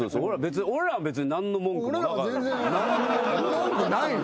文句ないの？